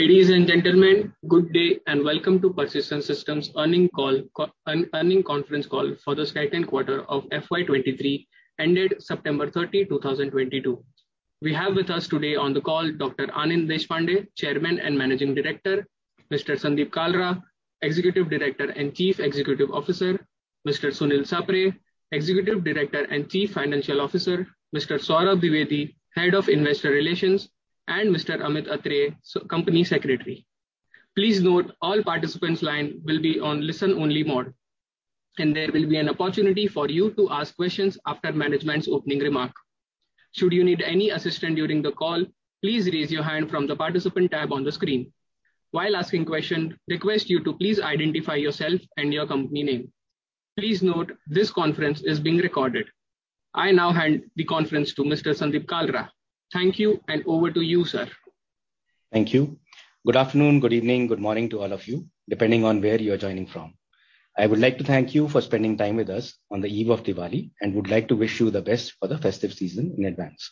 Ladies and gentlemen, good day and welcome to Persistent Systems earnings conference call for the second quarter of FY2023, ended September 30th, 2022. We have with us today on the call Dr. Anand Deshpande, Chairman and Managing Director, Mr. Sandeep Kalra, Executive Director and Chief Executive Officer, Mr. Sunil Sapre, Executive Director and Chief Financial Officer, Mr. Saurabh Dwivedi, Head of Investor Relations, and Mr. Amit Atre, Company Secretary. Please note all participants' line will be on listen-only mode, and there will be an opportunity for you to ask questions after management's opening remark. Should you need any assistance during the call, please raise your hand from the Participant tab on the screen. While asking question, request you to please identify yourself and your company name. Please note this conference is being recorded. I now hand the conference to Mr. Sandeep Kalra. Thank you, and over to you, sir. Thank you. Good afternoon, good evening, good morning to all of you, depending on where you are joining from. I would like to thank you for spending time with us on the eve of Diwali, and would like to wish you the best for the festive season in advance.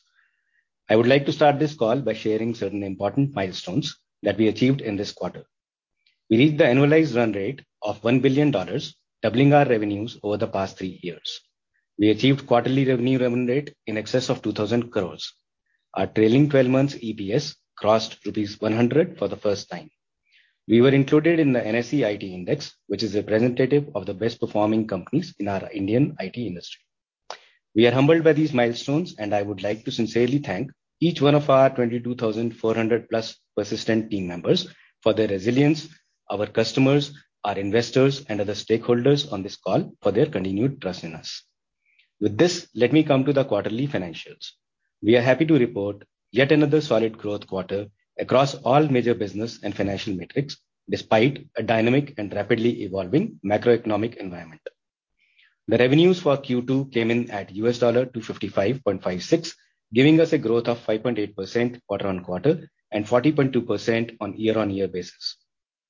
I would like to start this call by sharing certain important milestones that we achieved in this quarter. We reached the annualized run rate of $1 billion, doubling our revenues over the past three years. We achieved quarterly revenue run rate in excess of 2,000 crores. Our trailing 12 months EPS crossed rupees 100 for the first time. We were included in the Nifty IT index, which is representative of the best performing companies in our Indian IT industry. We are humbled by these milestones, and I would like to sincerely thank each one of our 22,400+ Persistent team members for their resilience, our customers, our investors, and other stakeholders on this call for their continued trust in us. With this, let me come to the quarterly financials. We are happy to report yet another solid growth quarter across all major business and financial metrics, despite a dynamic and rapidly evolving macroeconomic environment. The revenues for Q2 came in at $255.56 million, giving us a growth of 5.8% quarter-on-quarter and 40.2% on year-on-year basis.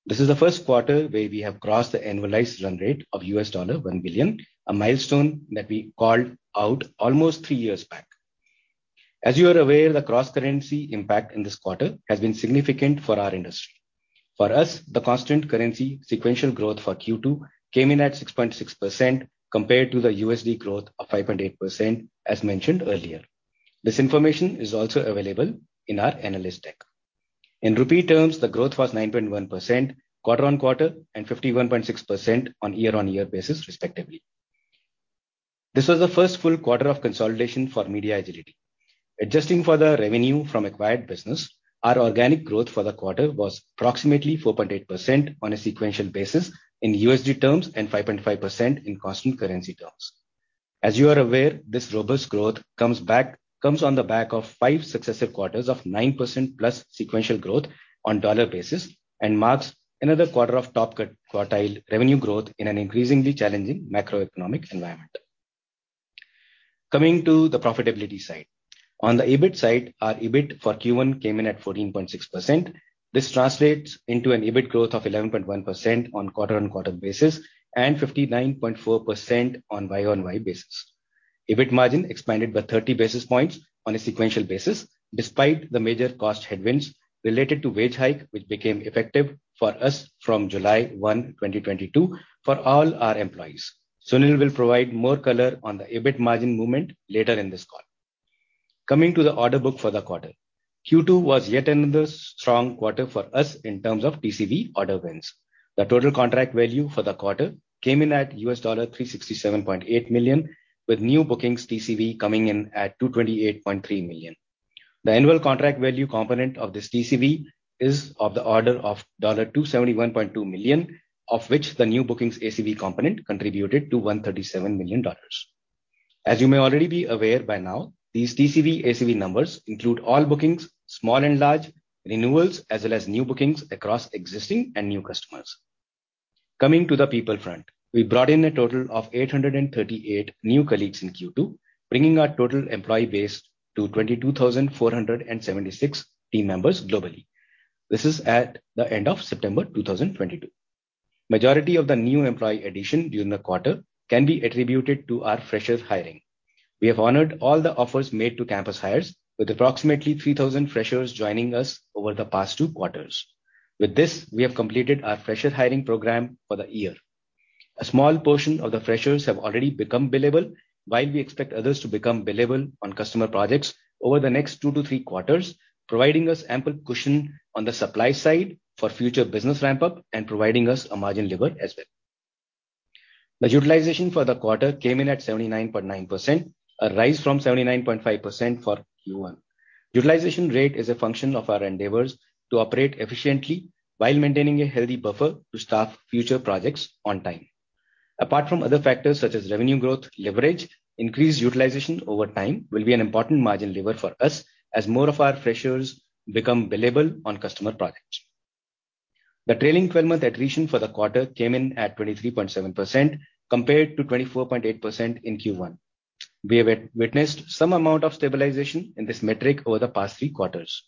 This is the first quarter where we have crossed the annualized run rate of $1 billion, a milestone that we called out almost three years back. As you are aware, the cross-currency impact in this quarter has been significant for our industry. For us, the constant currency sequential growth for Q2 came in at 6.6% compared to the USD growth of 5.8%, as mentioned earlier. This information is also available in our analyst deck. In rupee terms, the growth was 9.1% quarter-on-quarter and 51.6% on year-on-year basis respectively. This was the first full quarter of consolidation for MediaAgility. Adjusting for the revenue from acquired business, our organic growth for the quarter was approximately 4.8% on a sequential basis in USD terms and 5.5% in constant currency terms. As you are aware, this robust growth comes back. comes on the back of five successive quarters of 9%+ sequential growth on dollar basis and marks another quarter of top quartile revenue growth in an increasingly challenging macroeconomic environment. Coming to the profitability side. On the EBIT side, our EBIT for Q1 came in at 14.6%. This translates into an EBIT growth of 11.1% on quarter-on-quarter basis and 59.4% on Y-on-Y basis. EBIT margin expanded by 30 basis points on a sequential basis despite the major cost headwinds related to wage hike which became effective for us from July 1st, 2022, for all our employees. Sunil will provide more color on the EBIT margin movement later in this call. Coming to the order book for the quarter. Q2 was yet another strong quarter for us in terms of TCV order wins. The total contract value for the quarter came in at $367.8 million, with new bookings TCV coming in at $228.3 million. The annual contract value component of this TCV is of the order of $271.2 million, of which the new bookings ACV component contributed to $137 million. As you may already be aware by now, these TCV/ACV numbers include all bookings, small and large, renewals, as well as new bookings across existing and new customers. Coming to the people front. We brought in a total of 838 new colleagues in Q2, bringing our total employee base to 22,476 team members globally. This is at the end of September 2022. Majority of the new employee addition during the quarter can be attributed to our freshers hiring. We have honored all the offers made to campus hires with approximately 3,000 freshers joining us over the past two quarters. With this, we have completed our fresher hiring program for the year. A small portion of the freshers have already become billable while we expect others to become billable on customer projects over the next two to three quarters, providing us ample cushion on the supply side for future business ramp-up and providing us a margin lever as well. The utilization for the quarter came in at 79.9%, a rise from 79.5% for Q1. Utilization rate is a function of our endeavors to operate efficiently while maintaining a healthy buffer to staff future projects on time. Apart from other factors such as revenue growth leverage, increased utilization over time will be an important margin lever for us as more of our freshers become billable on customer projects. The trailing twelve-month attrition for the quarter came in at 23.7% compared to 24.8% in Q1. We have witnessed some amount of stabilization in this metric over the past three quarters.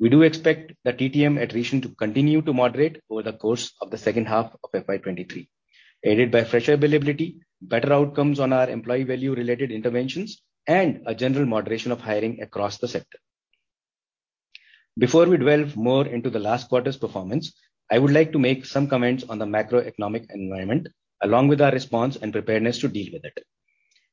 We do expect the TTM attrition to continue to moderate over the course of the second half of FY2023, aided by fresher availability, better outcomes on our employee value related interventions, and a general moderation of hiring across the sector. Before we delve more into the last quarter's performance, I would like to make some comments on the macroeconomic environment along with our response and preparedness to deal with it.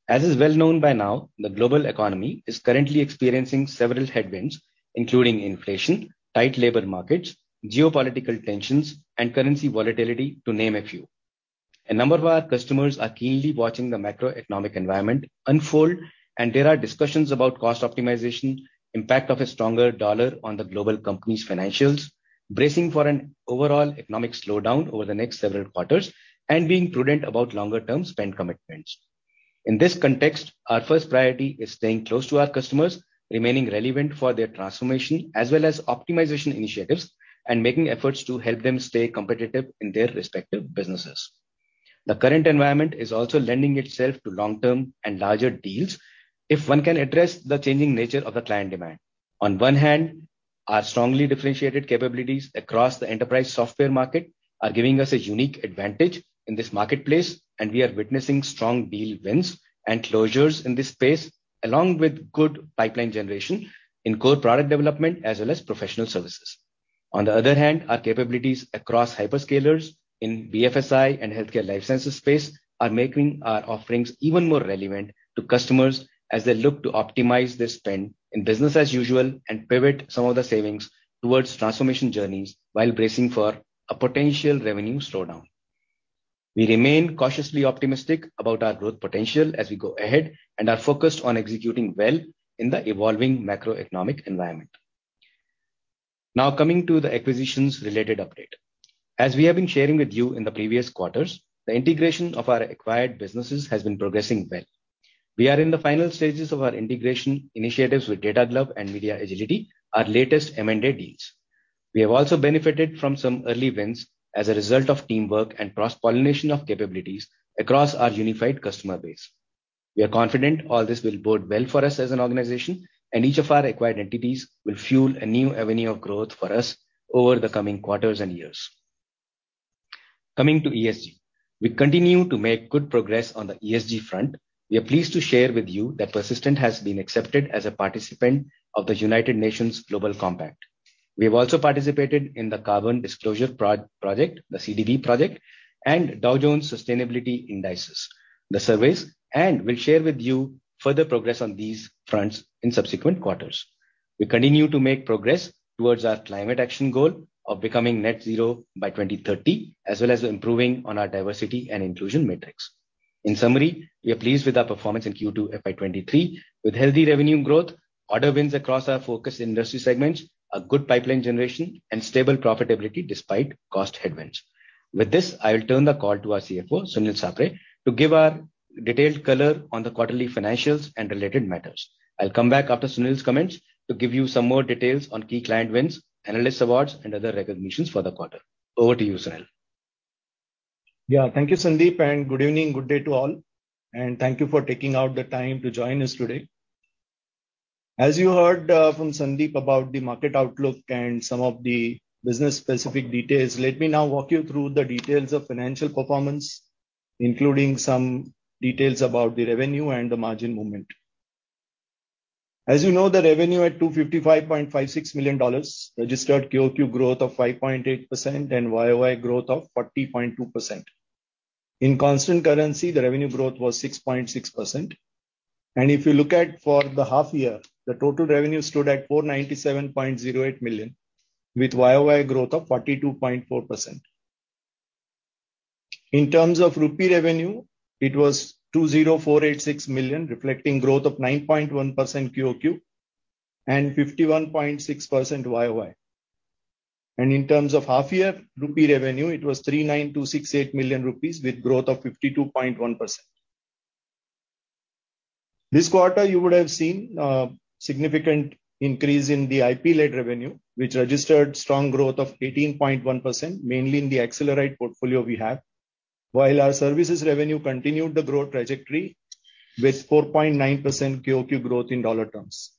As is well known by now, the global economy is currently experiencing several headwinds, including inflation, tight labor markets, geopolitical tensions, and currency volatility, to name a few. A number of our customers are keenly watching the macroeconomic environment unfold, and there are discussions about cost optimization, impact of a stronger U.S. dollar on the global company's financials, bracing for an overall economic slowdown over the next several quarters, and being prudent about longer-term spend commitments. In this context, our first priority is staying close to our customers, remaining relevant for their transformation as well as optimization initiatives, and making efforts to help them stay competitive in their respective businesses. The current environment is also lending itself to long-term and larger deals if one can address the changing nature of the client demand. On one hand, our strongly differentiated capabilities across the enterprise software market are giving us a unique advantage in this marketplace, and we are witnessing strong deal wins and closures in this space, along with good pipeline generation in core product development as well as professional services. On the other hand, our capabilities across hyperscalers in BFSI and healthcare life sciences space are making our offerings even more relevant to customers as they look to optimize their spend in business as usual and pivot some of the savings towards transformation journeys while bracing for a potential revenue slowdown. We remain cautiously optimistic about our growth potential as we go ahead and are focused on executing well in the evolving macroeconomic environment. Now coming to the acquisitions-related update. As we have been sharing with you in the previous quarters, the integration of our acquired businesses has been progressing well. We are in the final stages of our integration initiatives with Data Glove and MediaAgility, our latest M&A deals. We have also benefited from some early wins as a result of teamwork and cross-pollination of capabilities across our unified customer base. We are confident all this will bode well for us as an organization, and each of our acquired entities will fuel a new avenue of growth for us over the coming quarters and years. Coming to ESG. We continue to make good progress on the ESG front. We are pleased to share with you that Persistent has been accepted as a participant of the United Nations Global Compact. We have also participated in the Carbon Disclosure Project, the CDP project, and Dow Jones Sustainability Indices, the surveys, and will share with you further progress on these fronts in subsequent quarters. We continue to make progress towards our climate action goal of becoming net zero by 2030, as well as improving on our diversity and inclusion metrics. In summary, we are pleased with our performance in Q2 FY2023, with healthy revenue growth, order wins across our focus industry segments, a good pipeline generation, and stable profitability despite cost headwinds. With this, I will turn the call to our CFO, Sunil Sapre, to give our detailed color on the quarterly financials and related matters. I'll come back after Sunil's comments to give you some more details on key client wins, analyst awards, and other recognitions for the quarter. Over to you, Sunil. Yeah. Thank you, Sandeep, and good evening, good day to all, and thank you for taking out the time to join us today. As you heard, from Sandeep about the market outlook and some of the business specific details, let me now walk you through the details of financial performance, including some details about the revenue and the margin movement. As you know, the revenue at $255.56 million registered QoQ growth of 5.8% and YoY growth of 40.2%. In constant currency, the revenue growth was 6.6%. If you look at for the half year, the total revenue stood at $497.08 million, with YoY growth of 42.4%. In terms of rupee revenue, it was 2,048.6 million, reflecting growth of 9.1% QoQ and 51.6% YoY. In terms of half-year rupee revenue, it was 3,926.8 million rupees with growth of 52.1%. This quarter, you would have seen significant increase in the IP-led revenue, which registered strong growth of 18.1%, mainly in the Accelerite portfolio we have. While our services revenue continued the growth trajectory with 4.9% QoQ growth in dollar terms.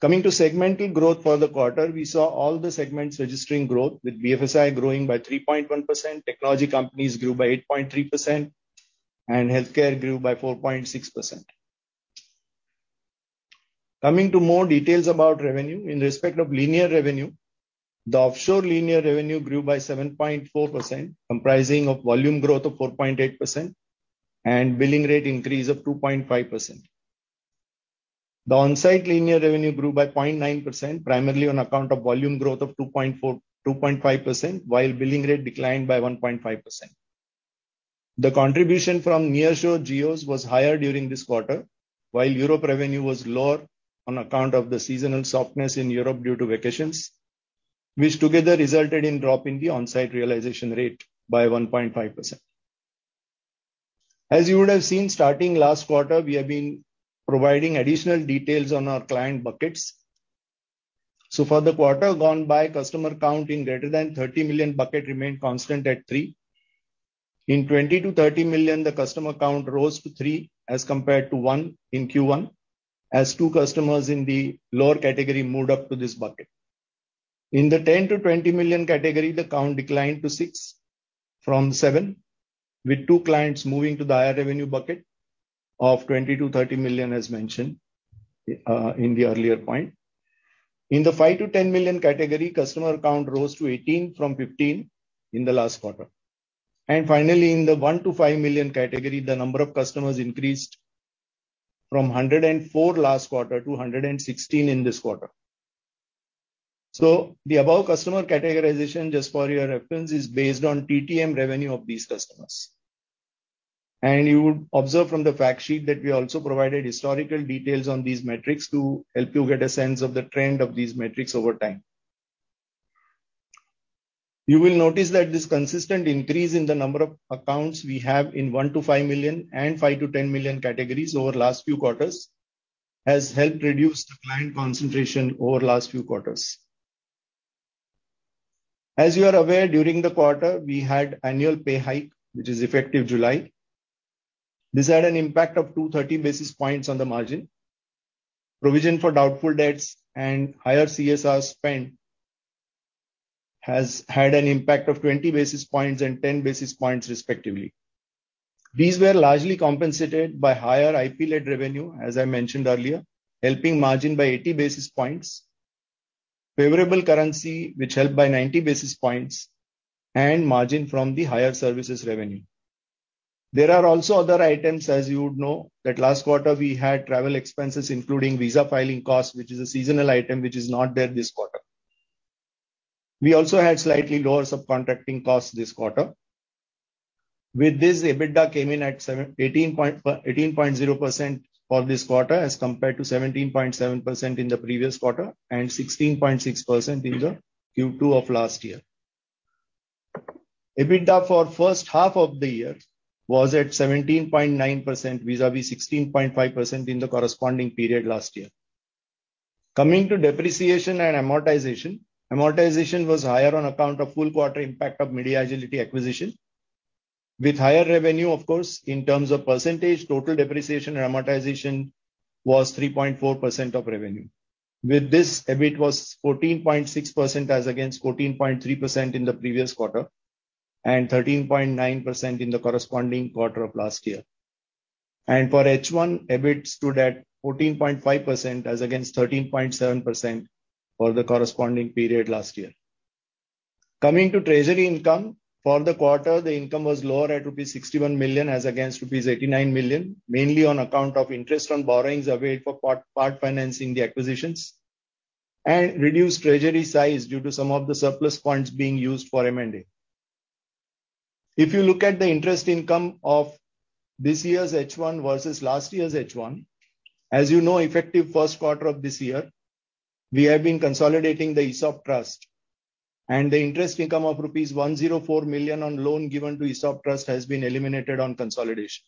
Coming to segmental growth for the quarter, we saw all the segments registering growth with BFSI growing by 3.1%, technology companies grew by 8.3%, and healthcare grew by 4.6%. Coming to more details about revenue. In respect of linear revenue, the offshore linear revenue grew by 7.4%, comprising of volume growth of 4.8% and billing rate increase of 2.5%. The onsite linear revenue grew by 0.9%, primarily on account of volume growth of 2.5%, while billing rate declined by 1.5%. The contribution from nearshore geos was higher during this quarter, while Europe revenue was lower on account of the seasonal softness in Europe due to vacations, which together resulted in drop in the onsite realization rate by 1.5%. As you would have seen, starting last quarter, we have been providing additional details on our client buckets. For the quarter gone, by customer count in greater than 30 million bucket remained constant at three. In 20 million-30 million, the customer count rose to three as compared to one in Q1, as two customers in the lower category moved up to this bucket. In the 10 million-20 million category, the count declined to six from seven, with two clients moving to the higher revenue bucket of 20 million-30 million, as mentioned, in the earlier point. In the 5 million-10 million category, customer count rose to 18 from 15 in the last quarter. Finally, in the 1 million-5 million category, the number of customers increased from 104 last quarter to 116 in this quarter. The above customer categorization, just for your reference, is based on TTM revenue of these customers. You would observe from the fact sheet that we also provided historical details on these metrics to help you get a sense of the trend of these metrics over time. You will notice that this consistent increase in the number of accounts we have in 1 million-5 million and 5 million-10 million categories over last few quarters has helped reduce the client concentration over last few quarters. As you are aware, during the quarter we had annual pay hike, which is effective July. This had an impact of 230 basis points on the margin. Provision for doubtful debts and higher CSR spend has had an impact of 20 basis points and 10 basis points respectively. These were largely compensated by higher IP-led revenue, as I mentioned earlier, helping margin by 80 basis points, favorable currency which helped by 90 basis points and margin from the higher services revenue. There are also other items, as you would know, that last quarter we had travel expenses including visa filing costs, which is a seasonal item which is not there this quarter. We also had slightly lower subcontracting costs this quarter. With this, EBITDA came in at 18.0% for this quarter as compared to 17.7% in the previous quarter and 16.6% in the Q2 of last year. EBITDA for first half of the year was at 17.9% vis-a-vis 16.5% in the corresponding period last year. Coming to depreciation and amortization. Amortization was higher on account of full quarter impact of MediaAgility acquisition. With higher revenue, of course, in terms of percentage, total depreciation and amortization was 3.4% of revenue. With this, EBIT was 14.6% as against 14.3% in the previous quarter and 13.9% in the corresponding quarter of last year. For H1, EBIT stood at 14.5% as against 13.7% for the corresponding period last year. Coming to treasury income. For the quarter, the income was lower at rupees 61 million as against rupees 89 million, mainly on account of interest on borrowings availed for part financing the acquisitions and reduced treasury size due to some of the surplus funds being used for M&A. If you look at the interest income of this year's H1 versus last year's H1, as you know, effective first quarter of this year we have been consolidating the ESOP trust and the interest income of rupees 104 million on loan given to ESOP trust has been eliminated on consolidation.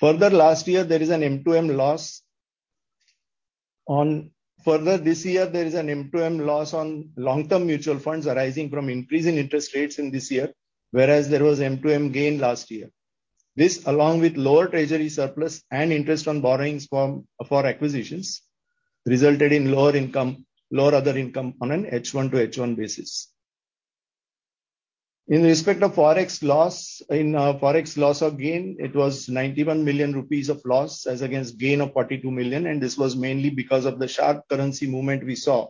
Further, this year there is an MTM loss on long-term mutual funds arising from increase in interest rates in this year, whereas there was MTM gain last year. This, along with lower treasury surplus and interest on borrowings for acquisitions, resulted in lower income, lower other income on an H1 to H1 basis. In respect of Forex loss or gain, it was 91 million rupees of loss as against gain of 42 million, and this was mainly because of the sharp currency movement we saw,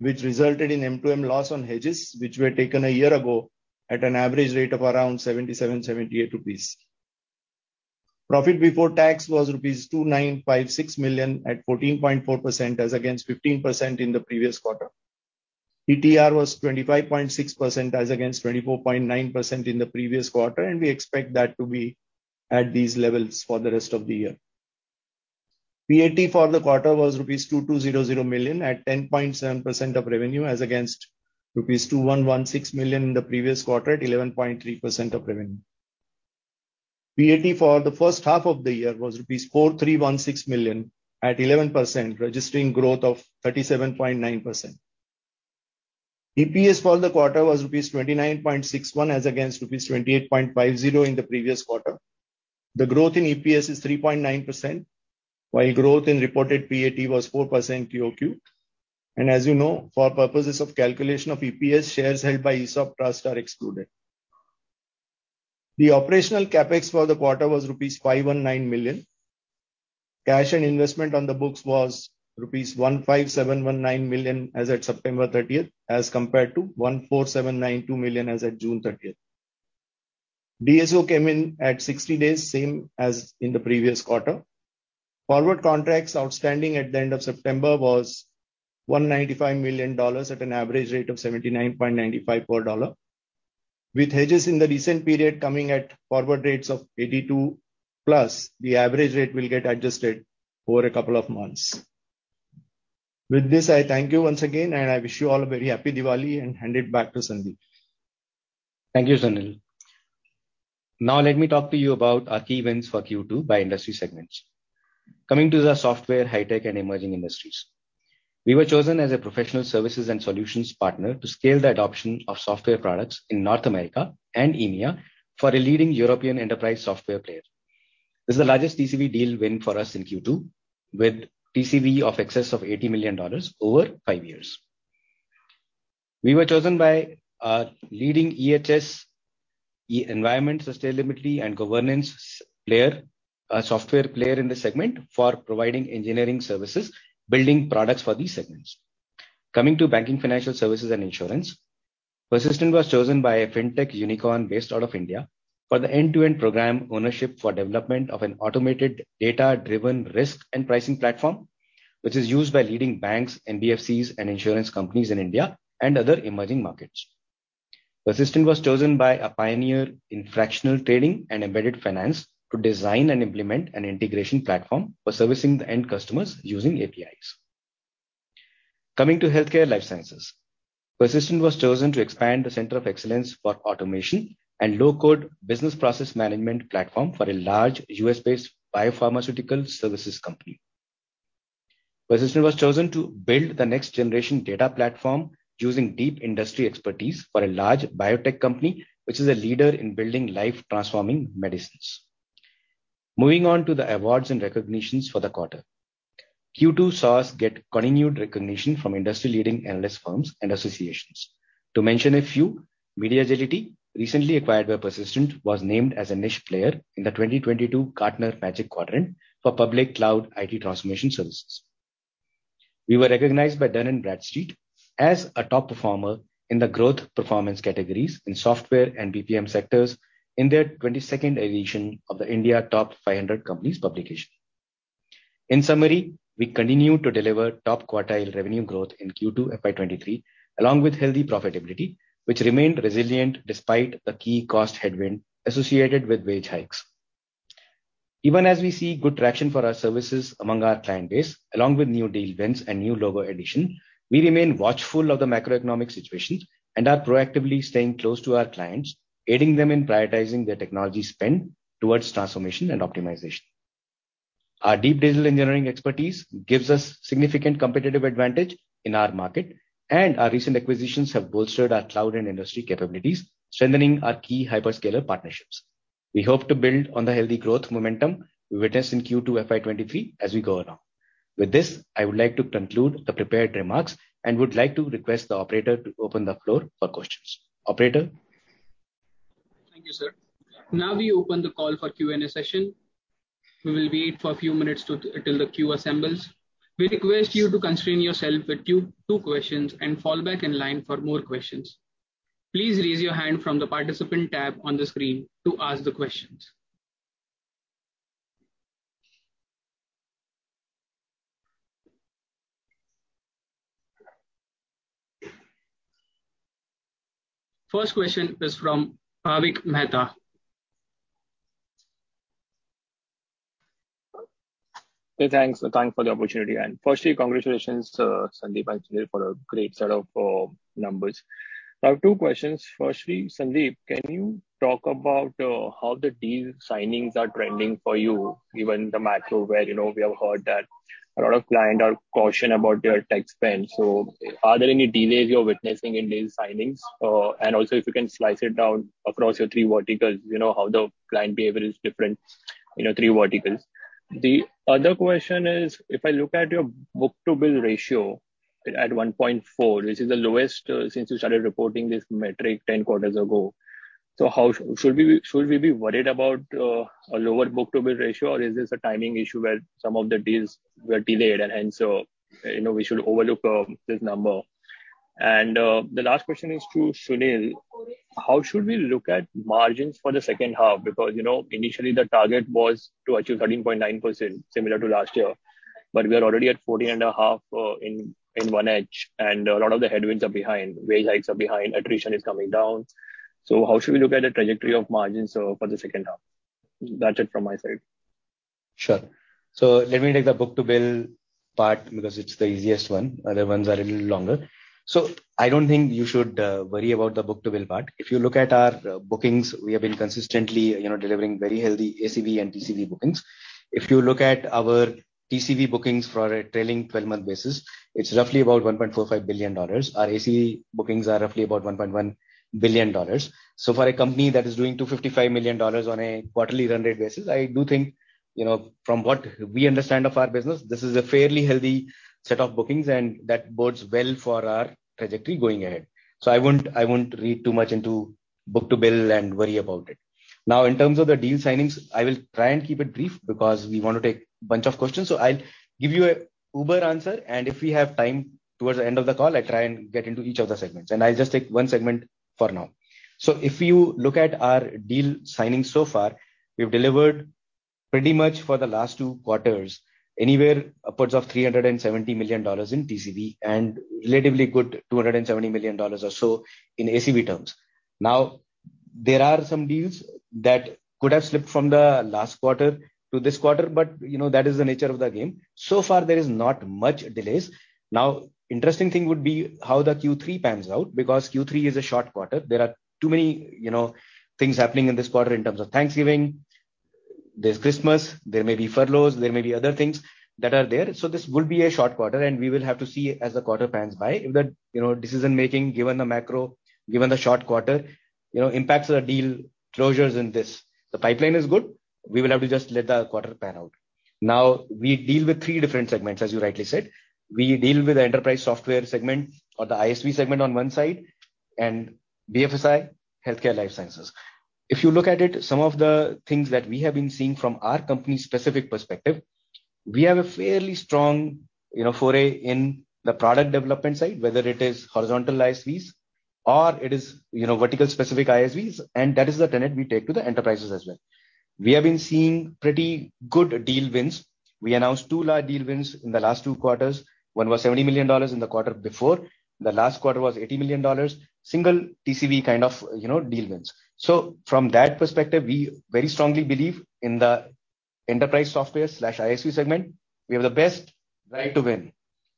which resulted in MTM loss on hedges which were taken a year ago at an average rate of around 77-78 rupees. Profit before tax was rupees 2,956 million at 14.4% as against 15% in the previous quarter. ETR was 25.6% as against 24.9% in the previous quarter, and we expect that to be at these levels for the rest of the year. PAT for the quarter was rupees 2,200 million at 10.7% of revenue as against rupees 2,116 million in the previous quarter at 11.3% of revenue. PAT for the first half of the year was rupees 431.6 million at 11%, registering growth of 37.9%. EPS for the quarter was rupees 29.61 as against rupees 28.50 in the previous quarter. The growth in EPS is 3.9% while growth in reported PAT was 4% QoQ. As you know, for purposes of calculation of EPS, shares held by ESOP trust are excluded. The operational CapEx for the quarter was rupees 51.9 million. Cash and investment on the books was rupees 15,719 million as at September thirtieth, as compared to 14,792 million as at June 30th. DSO came in at 60 days, same as in the previous quarter. Forward contracts outstanding at the end of September was $195 million at an average rate of 79.95 per dollar. With hedges in the recent period coming at forward rates of 82+, the average rate will get adjusted over a couple of months. With this, I thank you once again, and I wish you all a very happy Diwali and hand it back to Sandeep. Thank you, Sunil. Now let me talk to you about our key wins for Q2 by industry segments. Coming to the software, high tech and emerging industries. We were chosen as a professional services and solutions partner to scale the adoption of software products in North America and EMEA for a leading European enterprise software player. This is the largest TCV deal win for us in Q2 with TCV in excess of $80 million over five years. We were chosen by a leading ESG, environmental, social, and governance software player in this segment for providing engineering services, building products for these segments. Coming to banking, financial services, and insurance. Persistent was chosen by a fintech unicorn based out of India for the end-to-end program ownership for development of an automated data-driven risk and pricing platform which is used by leading banks, NBFCs, and insurance companies in India and other emerging markets. Persistent was chosen by a pioneer in fractional trading and embedded finance to design and implement an integration platform for servicing the end customers using APIs. Coming to healthcare life sciences. Persistent was chosen to expand the center of excellence for automation and low code business process management platform for a large U.S.-based biopharmaceutical services company. Persistent was chosen to build the next generation data platform using deep industry expertise for a large biotech company which is a leader in building life transforming medicines. Moving on to the awards and recognitions for the quarter. Q2 saw us get continued recognition from industry leading analyst firms and associations. To mention a few, MediaAgility, recently acquired by Persistent, was named as a niche player in the 2022 Gartner Magic Quadrant for public cloud IT transformation services. We were recognized by Dun & Bradstreet as a top performer in the growth performance categories in software and BPM sectors in their 22nd edition of India's Top 500 Companies publication. In summary, we continue to deliver top quartile revenue growth in Q2 FY2023 along with healthy profitability which remained resilient despite a key cost headwind associated with wage hikes. Even as we see good traction for our services among our client base, along with new deal wins and new logo addition, we remain watchful of the macroeconomic situation and are proactively staying close to our clients, aiding them in prioritizing their technology spend towards transformation and optimization. Our deep digital engineering expertise gives us significant competitive advantage in our market and our recent acquisitions have bolstered our cloud and industry capabilities, strengthening our key hyperscaler partnerships. We hope to build on the healthy growth momentum we witnessed in Q2 FY2023 as we go forward. With this I would like to conclude the prepared remarks and would like to request the operator to open the floor for questions. Operator? Thank you, sir. Now we open the call for Q&A session. We will wait for a few minutes till the queue assembles. We request you to constrain yourself with two questions and fall back in line for more questions. Please raise your hand from the participant tab on the screen to ask the questions. First question is from Bhavik Mehta. Hey, thanks. Thanks for the opportunity and firstly congratulations, Sandeep and Sunil for a great set of numbers. I have two questions. Firstly, Sandeep, can you talk about how the deal signings are trending for you given the macro where, you know, we have heard that a lot of clients are cautious about their tech spend. So are there any delays you are witnessing in deal signings? And also if you can break it down across your three verticals you know how the client behavior is different in the three verticals. The other question is if I look at your book-to-bill ratio at 1.4 which is the lowest since you started reporting this metric 10 quarters ago. How should we be worried about a lower book-to-bill ratio or is this a timing issue where some of the deals were delayed and so you know we should overlook this number? The last question is to Sunil. How should we look at margins for the second half? Because you know initially the target was to achieve 13.9% similar to last year, but we are already at 14.5% in Q1 and a lot of the headwinds are behind, wage hikes are behind, attrition is coming down. How should we look at the trajectory of margins for the second half? That's it from my side. Sure. Let me take the book-to-bill part because it's the easiest one. Other ones are a little longer. I don't think you should worry about the book-to-bill part. If you look at our bookings we have been consistently, you know, delivering very healthy ACV and TCV bookings. If you look at our TCV bookings for a trailing twelve-month basis it's roughly about $1.45 billion. Our ACV bookings are roughly about $1.1 billion. For a company that is doing $255 million on a quarterly run rate basis I do think you know from what we understand of our business this is a fairly healthy set of bookings and that bodes well for our trajectory going ahead. I won't read too much into book-to-bill and worry about it. Now in terms of the deal signings I will try and keep it brief because we want to take a bunch of questions so I'll give you an uber answer and if we have time towards the end of the call I'll try and get into each of the segments and I'll just take one segment for now. If you look at our deal signings so far we've delivered pretty much for the last two quarters anywhere upwards of $370 million in TCV and relatively good $270 million or so in ACV terms. Now there are some deals that could have slipped from the last quarter to this quarter but you know that is the nature of the game. So far there is not much delays. Now, interesting thing would be how the Q3 pans out because Q3 is a short quarter. There are too many, you know, things happening in this quarter in terms of Thanksgiving. There's Christmas. There may be furloughs. There may be other things that are there. This will be a short quarter and we will have to see as the quarter pans out if the, you know, decision making given the macro, given the short quarter, you know, impacts the deal closures in this. The pipeline is good. We will have to just let the quarter pan out. We deal with three different segments, as you rightly said. We deal with the enterprise software segment or the ISV segment on one side, and BFSI, healthcare life sciences. If you look at it, some of the things that we have been seeing from our company's specific perspective, we have a fairly strong, you know, foray in the product development side. Whether it is horizontal ISVs or it is, you know, vertical specific ISVs, and that is the tenet we take to the enterprises as well. We have been seeing pretty good deal wins. We announced two large deal wins in the last two quarters. One was $70 million in the quarter before. The last quarter was $80 million. Single TCV kind of, you know, deal wins. So from that perspective, we very strongly believe in the enterprise software slash ISV segment. We have the best right to win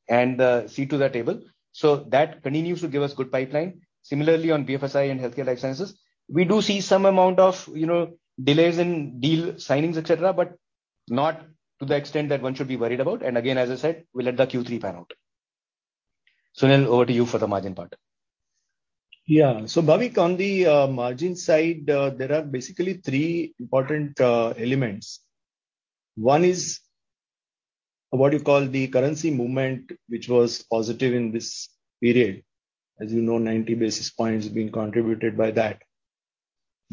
and seat to the table, so that continues to give us good pipeline. Similarly, on BFSI and healthcare life sciences, we do see some amount of, you know, delays in deal signings, etc., but not to the extent that one should be worried about. Again, as I said, we'll let the Q3 pan out. Sunil, over to you for the margin part. Yeah. Bhavik, on the margin side, there are basically three important elements. One is what you call the currency movement, which was positive in this period. As you know, 90 basis points being contributed by that,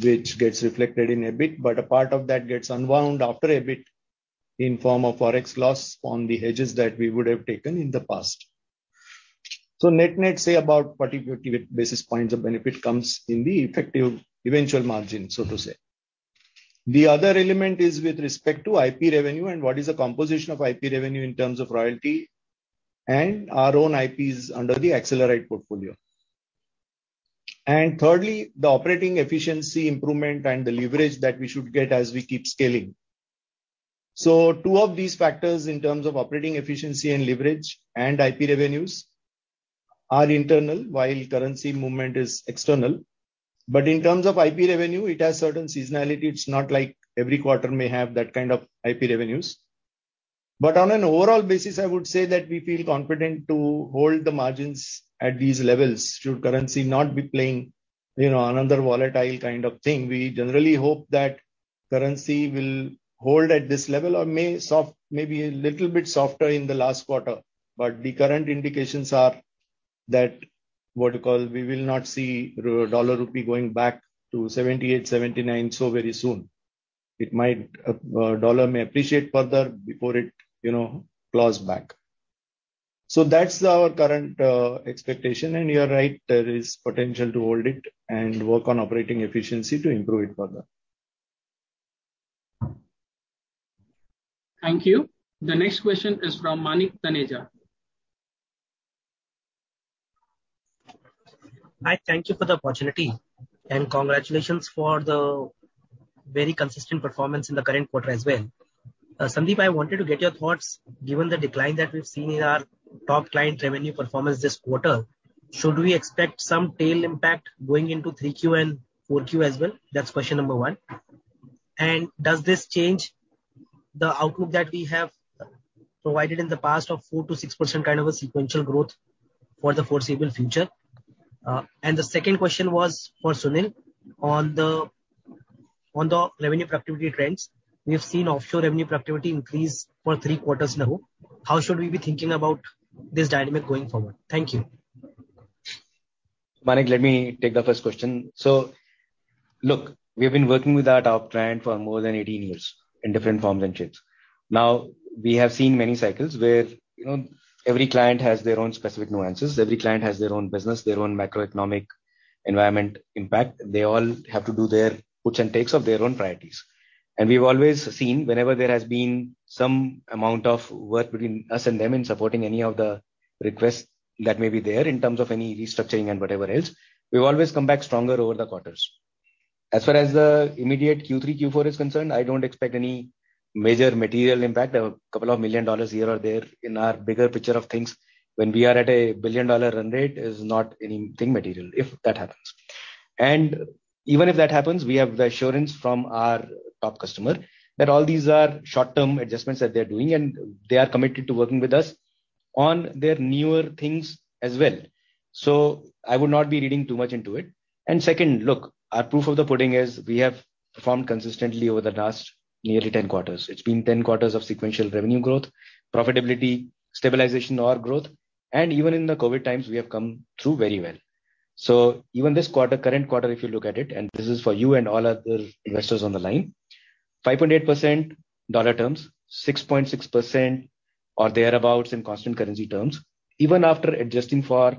which gets reflected in EBIT. A part of that gets unwound after EBIT in form of Forex loss on the hedges that we would have taken in the past. Net-net, say about 40-50 basis points of benefit comes in the effective eventual margin, so to say. The other element is with respect to IP revenue and what is the composition of IP revenue in terms of royalty and our own IPs under the Accelerite portfolio. Thirdly, the operating efficiency improvement and the leverage that we should get as we keep scaling. Two of these factors, in terms of operating efficiency and leverage and IP revenues, are internal, while currency movement is external. In terms of IP revenue, it has certain seasonality. It's not like every quarter may have that kind of IP revenues. On an overall basis, I would say that we feel confident to hold the margins at these levels should currency not be playing, you know, another volatile kind of thing. We generally hope that currency will hold at this level or may maybe a little bit softer in the last quarter, but the current indications are that, what you call, we will not see dollar rupee going back to 78, 79 so very soon. It might, the dollar may appreciate further before it, you know, claws back. That's our current expectation. You're right, there is potential to hold it and work on operating efficiency to improve it further. Thank you. The next question is from Manik Taneja. Hi. Thank you for the opportunity and congratulations for the very consistent performance in the current quarter as well. Sandeep, I wanted to get your thoughts, given the decline that we've seen in our top line revenue performance this quarter, should we expect some tail impact going into 3Q and 4Q as well? That's question number one. Does this change the outlook that we have provided in the past of 4%-6% kind of a sequential growth for the foreseeable future? The second question was for Sunil on the revenue productivity trends. We have seen offshore revenue productivity increase for three quarters now. How should we be thinking about this dynamic going forward? Thank you. Manik, let me take the first question. Look, we have been working with our top client for more than 18 years in different forms and shapes. Now, we have seen many cycles where, you know, every client has their own specific nuances. Every client has their own business, their own macroeconomic environment impact. They all have to do their puts and takes of their own priorities. We've always seen whenever there has been some amount of work between us and them in supporting any of the requests that may be there in terms of any restructuring and whatever else, we've always come back stronger over the quarters. As far as the immediate Q3, Q4 is concerned, I don't expect any major material impact. A couple of million dollars here or there in our bigger picture of things when we are at a billion-dollar run rate is not anything material, if that happens. Even if that happens, we have the assurance from our top customer that all these are short-term adjustments that they're doing, and they are committed to working with us on their newer things as well. I would not be reading too much into it. Second, look, our proof of the pudding is we have performed consistently over the last nearly 10 quarters. It's been 10 quarters of sequential revenue growth, profitability, stabilization or growth. Even in the COVID times we have come through very well. Even this quarter, current quarter, if you look at it, and this is for you and all other investors on the line, 5.8% dollar terms, 6.6% or thereabout in constant currency terms. Even after adjusting for,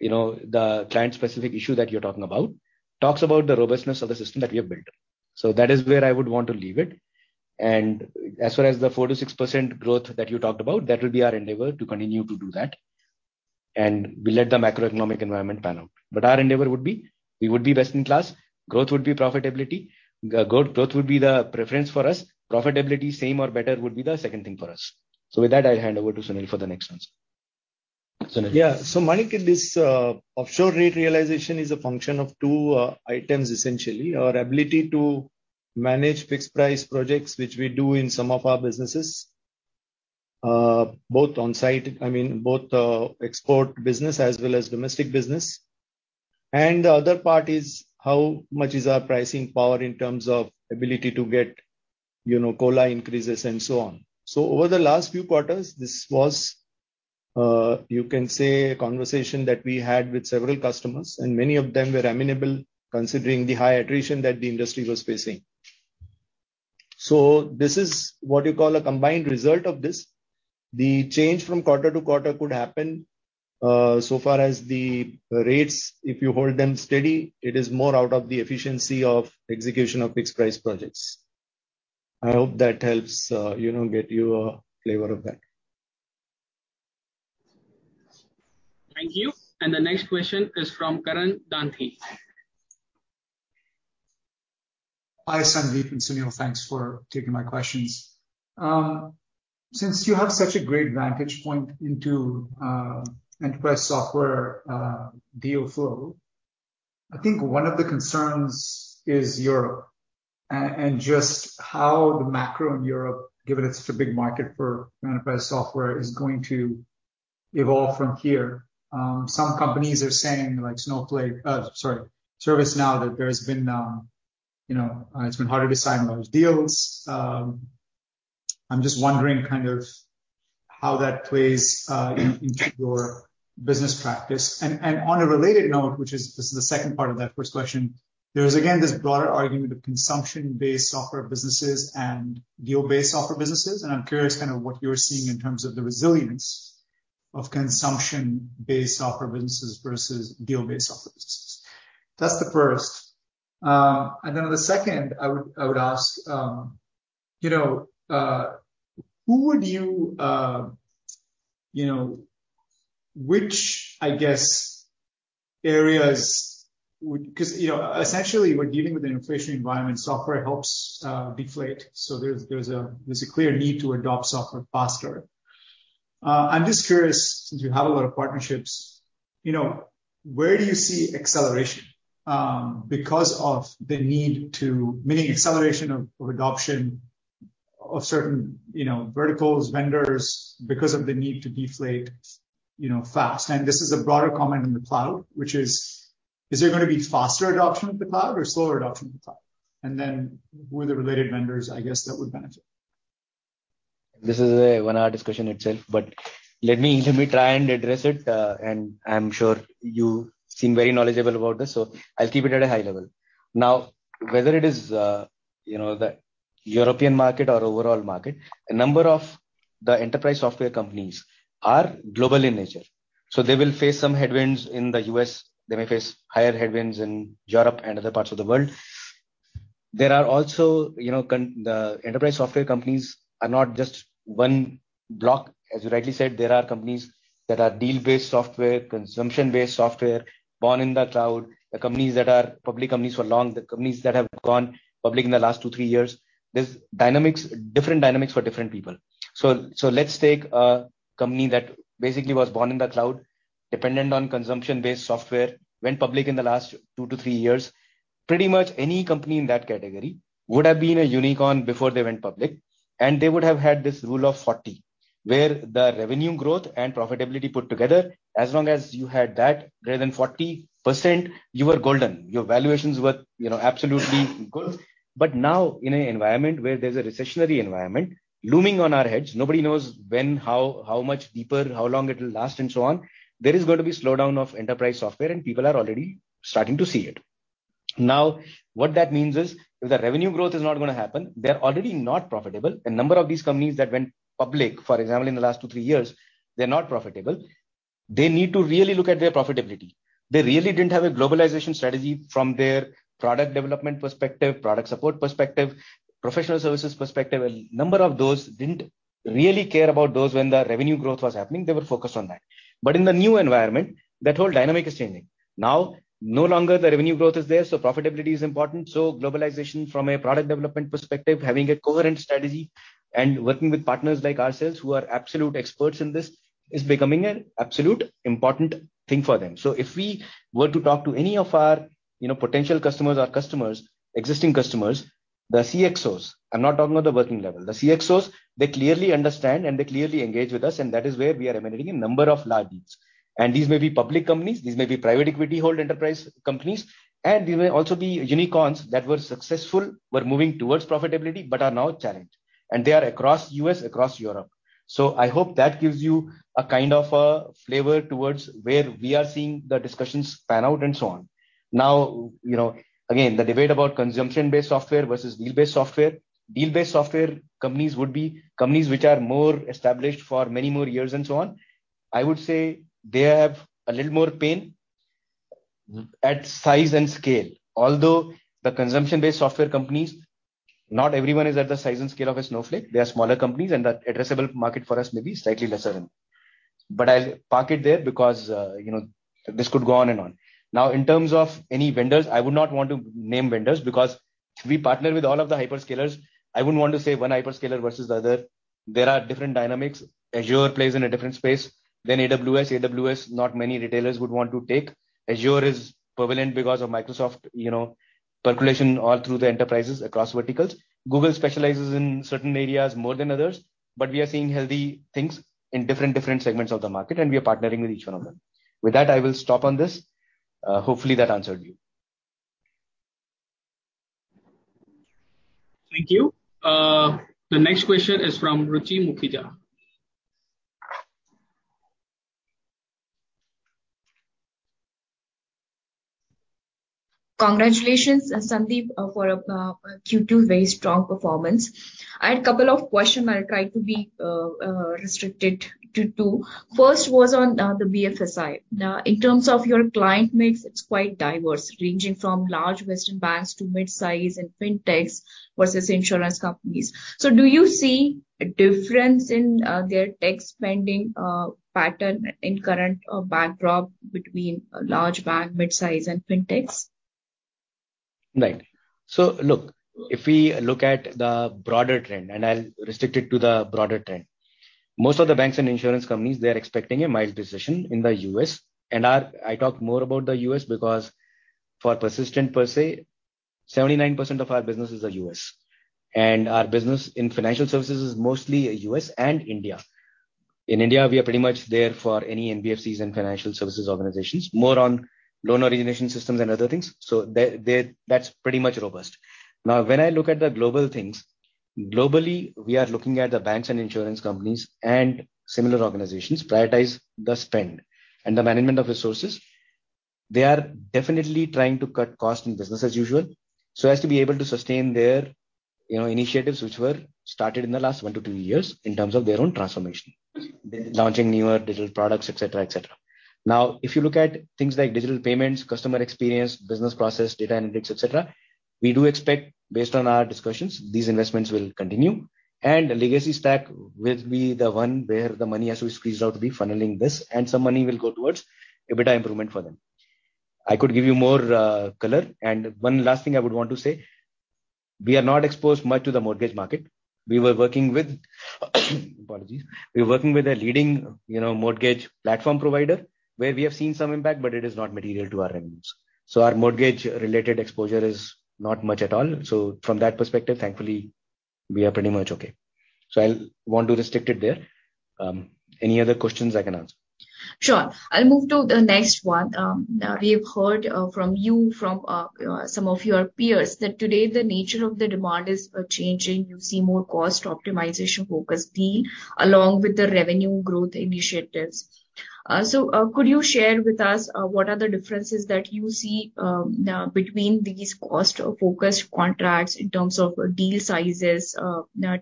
you know, the client-specific issue that you're talking about, talks about the robustness of the system that we have built. That is where I would want to leave it. As far as the 4%-6% growth that you talked about, that will be our endeavor to continue to do that. We let the macroeconomic environment pan out. Our endeavor would be we would be best in class. Growth would be profitability. Growth would be the preference for us. Profitability, same or better, would be the second thing for us. With that, I'll hand over to Sunil for the next answer. Sunil. Manik, this offshore rate realization is a function of two items, essentially. Our ability to manage fixed price projects, which we do in some of our businesses Both onsite, I mean, both export business as well as domestic business. The other part is how much is our pricing power in terms of ability to get, you know, COLA increases and so on. Over the last few quarters, this was, you can say a conversation that we had with several customers, and many of them were amenable considering the high attrition that the industry was facing. This is what you call a combined result of this. The change from quarter to quarter could happen. So far as the rates, if you hold them steady, it is more out of the efficiency of execution of fixed price projects. I hope that helps, you know, get you a flavor of that. Thank you. The next question is from Karan Danthi. Hi, Sandeep and Sunil. Thanks for taking my questions. Since you have such a great vantage point into enterprise software deal flow. I think one of the concerns is Europe and just how the macro in Europe, given it's such a big market for enterprise software, is going to evolve from here. Some companies are saying like ServiceNow that there's been you know it's been harder to sign those deals. I'm just wondering kind of how that plays into your business practice. On a related note, which is this is the second part of that first question. There's again this broader argument of consumption-based software businesses and deal-based software businesses, and I'm curious kind of what you're seeing in terms of the resilience of consumption-based software businesses versus deal-based software businesses. That's the first. Which areas, I guess, would, 'cause you know, essentially, when dealing with an inflationary environment, software helps deflate. There's a clear need to adopt software faster. I'm just curious, since you have a lot of partnerships, you know, where do you see acceleration because of the need to deflate fast. Meaning acceleration of adoption of certain verticals, vendors because of the need to deflate fast. This is a broader comment in the cloud, which is there gonna be faster adoption of the cloud or slower adoption of the cloud? Who are the related vendors, I guess, that would benefit? This is a one-hour discussion itself, but let me try and address it. I'm sure you seem very knowledgeable about this, so I'll keep it at a high level. Now, whether it is, you know, the European market or overall market, a number of the enterprise software companies are global in nature, so they will face some headwinds in the U.S., they may face higher headwinds in Europe and other parts of the world. There are also, you know, the enterprise software companies are not just one block, as you rightly said, there are companies that are deal-based software, consumption-based software, born in the cloud. The companies that are public companies for long, the companies that have gone public in the last two, three years. There's dynamics, different dynamics for different people. Let's take a company that basically was born in the cloud, dependent on consumption-based software, went public in the last two to three years. Pretty much any company in that category would have been a unicorn before they went public, and they would have had this rule of 40, where the revenue growth and profitability put together, as long as you had that greater than 40%, you were golden. Your valuations were, you know, absolutely gold. Now in an environment where there's a recessionary environment looming on our heads, nobody knows when, how much deeper, how long it will last and so on. There is going to be slowdown of enterprise software and people are already starting to see it. Now, what that means is if the revenue growth is not gonna happen, they're already not profitable. A number of these companies that went public, for example, in the last two, three years, they're not profitable. They need to really look at their profitability. They really didn't have a globalization strategy from their product development perspective, product support perspective, professional services perspective. A number of those didn't really care about those when the revenue growth was happening. They were focused on that. In the new environment, that whole dynamic is changing. Now, no longer the revenue growth is there, so profitability is important. Globalization from a product development perspective, having a coherent strategy and working with partners like ourselves who are absolute experts in this, is becoming an absolute important thing for them. If we were to talk to any of our, you know, potential customers or customers, existing customers, the CXOs, I'm not talking about the working level. The CXOs, they clearly understand and they clearly engage with us and that is where we are emanating a number of large deals. These may be public companies, these may be private equity hold enterprise companies, and they may also be unicorns that were successful, were moving towards profitability but are now challenged. They are across U.S., across Europe. I hope that gives you a kind of a flavor towards where we are seeing the discussions pan out and so on. Now, you know, again, the debate about consumption-based software versus deal-based software. Deal-based software companies would be companies which are more established for many more years and so on. I would say they have a little more pain at size and scale. Although the consumption-based software companies, not everyone is at the size and scale of a Snowflake. They are smaller companies and the addressable market for us may be slightly lesser than. I'll park it there because, you know, this could go on and on. Now, in terms of any vendors, I would not want to name vendors because we partner with all of the hyperscalers. I wouldn't want to say one hyperscaler versus the other. There are different dynamics. Azure plays in a different space than AWS. AWS, not many retailers would want to take. Azure is prevalent because of Microsoft, you know, percolation all through the enterprises across verticals. Google specializes in certain areas more than others, but we are seeing healthy things in different segments of the market, and we are partnering with each one of them. With that, I will stop on this. Hopefully that answered you. Thank you. The next question is from Ruchi Mukhija. Congratulations, Sandeep, for a Q2 very strong performance. I had a couple of questions. I'll try to be restricted to two. First was on the BFSI. Now, in terms of your client mix, it's quite diverse, ranging from large Western banks to mid-size and fintechs versus insurance companies. Do you see a difference in their tech spending pattern in current backdrop between a large bank, mid-size and fintechs? Right. Look, if we look at the broader trend, and I'll restrict it to the broader trend. Most of the banks and insurance companies, they're expecting a mild recession in the U.S. I talk more about the U.S. because for Persistent per se, 79% of our business is the U.S. Our business in financial services is mostly U.S. and India. In India, we are pretty much there for any NBFCs and financial services organizations, more on loan origination systems and other things. That's pretty much robust. Now, when I look at the global things, globally, we are looking at the banks and insurance companies and similar organizations prioritize the spend and the management of resources. They are definitely trying to cut costs in business as usual so as to be able to sustain their, you know, initiatives which were started in the last one to two years in terms of their own transformation. Launching newer digital products, etc. Now, if you look at things like digital payments, customer experience, business process, data analytics, etc., we do expect, based on our discussions, these investments will continue. Legacy stack will be the one where the money has to be squeezed out to be funneling this, and some money will go towards EBITDA improvement for them. I could give you more color. One last thing I would want to say, we are not exposed much to the mortgage market. We were working with apologies. We're working with a leading, you know, mortgage platform provider where we have seen some impact, but it is not material to our revenues. Our mortgage-related exposure is not much at all. From that perspective, thankfully, we are pretty much okay. I'll want to restrict it there. Any other questions I can answer. Sure. I'll move to the next one. We have heard from some of your peers that today the nature of the demand is changing. You see more cost optimization-focused deal along with the revenue growth initiatives. Could you share with us what are the differences that you see between these cost-focused contracts in terms of deal sizes,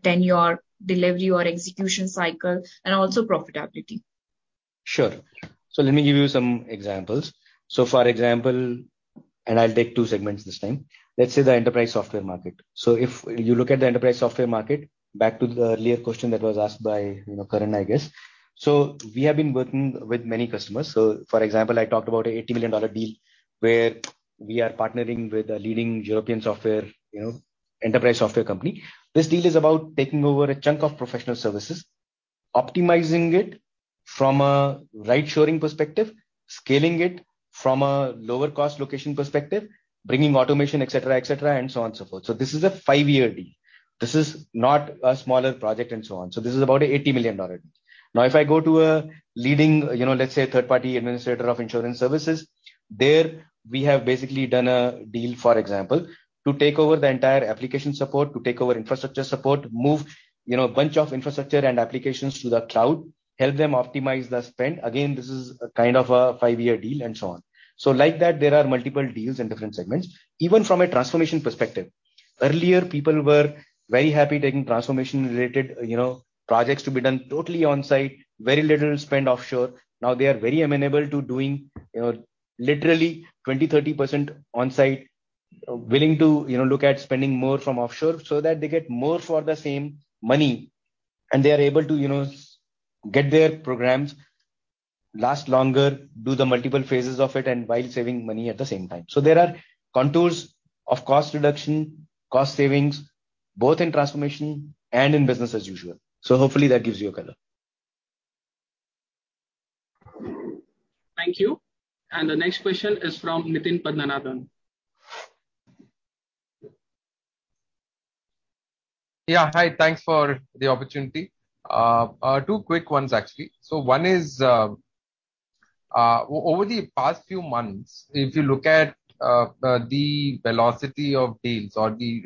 tenure, delivery or execution cycle, and also profitability? Sure. Let me give you some examples. For example, and I'll take two segments this time. Let's say the enterprise software market. If you look at the enterprise software market, back to the earlier question that was asked by, you know, Karan, I guess. We have been working with many customers. For example, I talked about a $80 million deal where we are partnering with a leading European software, you know, enterprise software company. This deal is about taking over a chunk of professional services, optimizing it from a right-sizing perspective, scaling it from a lower-cost location perspective, bringing automation, etc., and so on and so forth. This is a five-year deal. This is not a smaller project and so on. This is about a $80 million deal. If I go to a leading, you know, let's say third-party administrator of insurance services, there we have basically done a deal, for example, to take over the entire application support, to take over infrastructure support, move, you know, a bunch of infrastructure and applications to the cloud, help them optimize their spend. Again, this is a kind of a five-year deal and so on. Like that, there are multiple deals in different segments. Even from a transformation perspective. Earlier, people were very happy taking transformation-related, you know, projects to be done totally on-site, very little spend offshore. Now they are very amenable to doing, you know, literally 20%-30% on-site. Willing to, you know, look at spending more from offshore so that they get more for the same money and they are able to, you know, get their programs last longer, do the multiple phases of it and while saving money at the same time. There are contours of cost reduction, cost savings, both in transformation and in business as usual. Hopefully that gives you a color. Thank you. The next question is from Nitin Padmanabhan. Yeah, hi. Thanks for the opportunity. Two quick ones actually. One is, over the past few months, if you look at the velocity of deals or the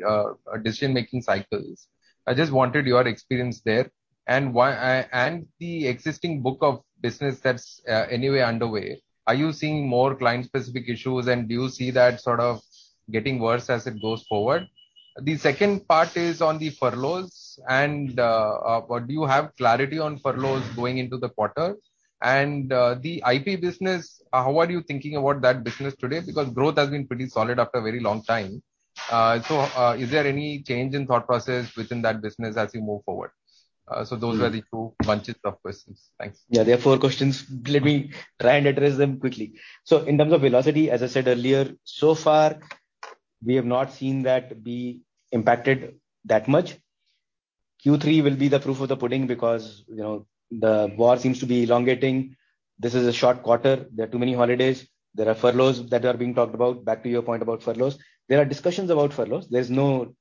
decision-making cycles, I just wanted your experience there and why and the existing book of business that's anyway underway. Are you seeing more client-specific issues and do you see that sort of getting worse as it goes forward? The second part is on the furloughs and what do you have clarity on furloughs going into the quarter? The IP business, how are you thinking about that business today? Because growth has been pretty solid after a very long time. Is there any change in thought process within that business as we move forward? Those were the two bunches of questions. Thanks. Yeah, there are four questions. Let me try and address them quickly. In terms of velocity, as I said earlier, so far we have not seen that be impacted that much. Q3 will be the proof of the pudding because, you know, the war seems to be elongating. This is a short quarter. There are too many holidays. There are furloughs that are being talked about. Back to your point about furloughs. There are discussions about furloughs. There's no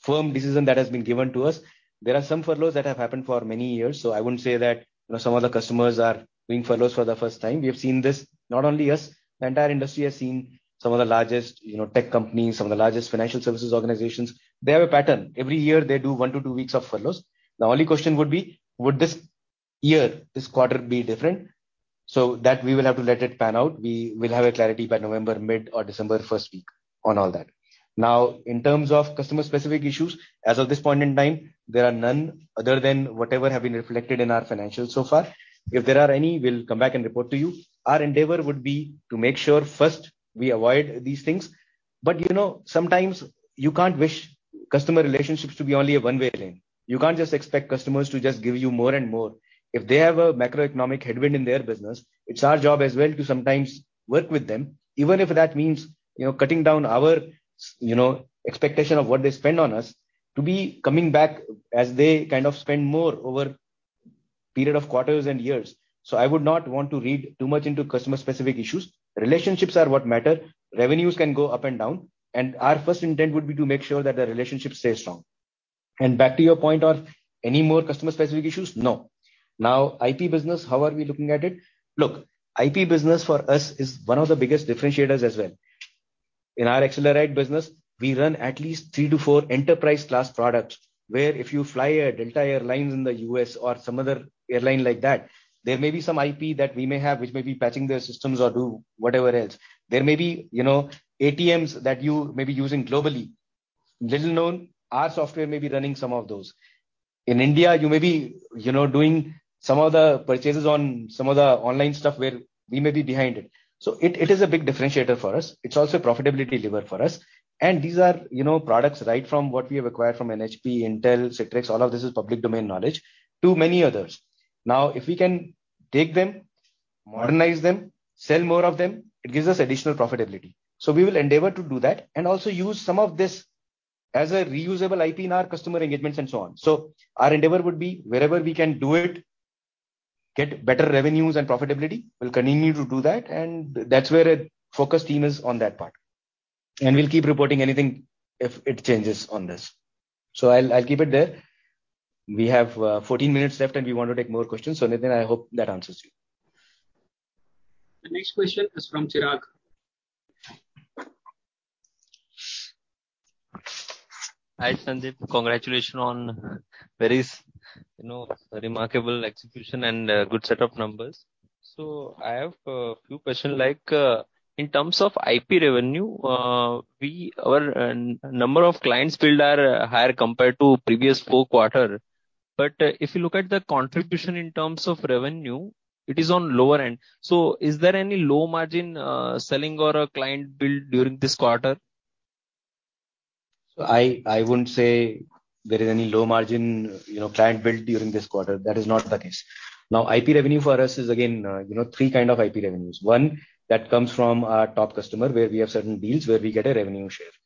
firm decision that has been given to us. There are some furloughs that have happened for many years, so I wouldn't say that, you know, some of the customers are doing furloughs for the first time. We have seen this. Not only us, the entire industry has seen some of the largest, you know, tech companies, some of the largest financial services organizations, they have a pattern. Every year they do one to two weeks of furloughs. The only question would be, would this year, this quarter be different? That we will have to let it pan out. We will have a clarity by November mid or December first week on all that. Now, in terms of customer-specific issues, as of this point in time, there are none other than whatever have been reflected in our financials so far. If there are any, we'll come back and report to you. Our endeavor would be to make sure first we avoid these things. But you know, sometimes you can't wish customer relationships to be only a one-way lane. You can't just expect customers to just give you more and more. If they have a macroeconomic headwind in their business, it's our job as well to sometimes work with them, even if that means, you know, cutting down our, you know, expectation of what they spend on us to be coming back as they kind of spend more over period of quarters and years. So I would not want to read too much into customer-specific issues. Relationships are what matter. Revenues can go up and down, and our first intent would be to make sure that the relationship stays strong. Back to your point on any more customer-specific issues, no. Now, IP business, how are we looking at it? Look, IP business for us is one of the biggest differentiators as well. In our Accelerite business, we run at least three to four enterprise class products, where if you fly a Delta Air Lines in the U.S. or some other airline like that, there may be some IP that we may have which may be patching their systems or do whatever else. There may be, you know, ATMs that you may be using globally. Little known, our software may be running some of those. In India, you may be, you know, doing some of the purchases on some of the online stuff where we may be behind it. So it is a big differentiator for us. It's also a profitability lever for us. These are, you know, products right from what we have acquired from HP, Intel, Citrix, all of this is public domain knowledge, to many others. Now, if we can take them, modernize them, sell more of them, it gives us additional profitability. We will endeavor to do that and also use some of this as a reusable IP in our customer engagements and so on. Our endeavor would be wherever we can do it, get better revenues and profitability, we'll continue to do that, and that's where a focus team is on that part. We'll keep reporting anything if it changes on this. I'll keep it there. We have 14 minutes left and we want to take more questions. Nitin, I hope that answers you. The next question is from Chirag. Hi, Sandeep. Congratulations on very, you know, remarkable execution and a good set of numbers. I have a few questions, like, in terms of IP revenue, our number of clients billed are higher compared to previous four quarter. But if you look at the contribution in terms of revenue, it is on lower end. Is there any low margin selling or a client billed during this quarter? I wouldn't say there is any low margin, you know, client billed during this quarter. That is not the case. Now, IP revenue for us is again, you know, three kind of IP revenues. One, that comes from our top customer, where we have certain deals where we get a revenue share.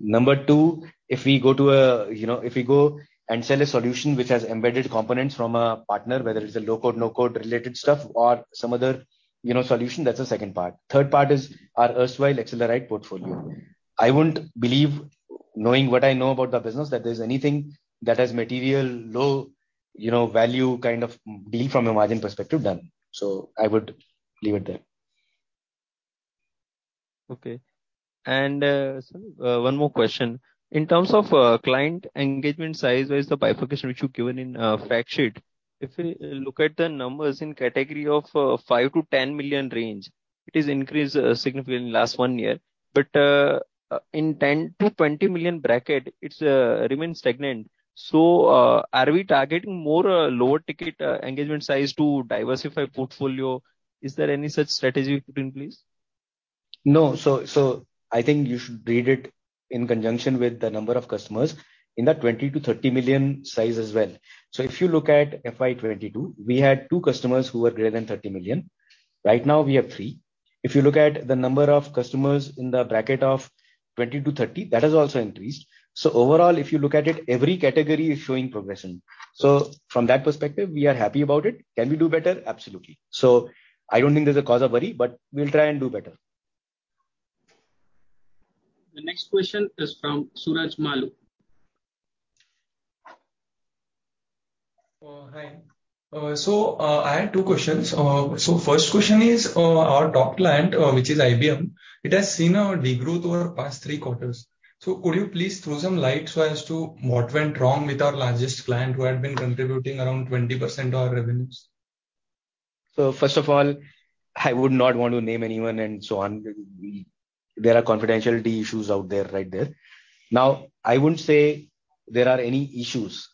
Number two, if we go and sell a solution which has embedded components from a partner, whether it's a low-code, no-code related stuff or some other, you know, solution, that's the second part. Third part is our erstwhile Accelerite portfolio. I wouldn't believe, knowing what I know about the business, that there's anything that has material low, you know, value kind of deal from a margin perspective done. I would leave it there. Okay. One more question. In terms of client engagement size versus the bifurcation which you've given in fact sheet, if you look at the numbers in category of 5 million-10 million range, it has increased significantly in last one year. In 10 million-20 million bracket, it remains stagnant. Are we targeting more lower ticket engagement size to diversify portfolio? Is there any such strategy put in place? No. I think you should read it in conjunction with the number of customers in the 20 million-30 million size as well. If you look at FY2022, we had two customers who were greater than $30 million. Right now, we have three. If you look at the number of customers in the bracket of 20-30, that has also increased. Overall, if you look at it, every category is showing progression. From that perspective, we are happy about it. Can we do better? Absolutely. I don't think there's a cause of worry, but we'll try and do better. The next question is from Suraj Malu. Hi. I have two questions. First question is, our top client, which is IBM, it has seen a de-growth over past three quarters. Could you please throw some light so as to what went wrong with our largest client who had been contributing around 20% of our revenues? First of all, I would not want to name anyone and so on. There are confidentiality issues out there, right there. Now, I wouldn't say there are any issues.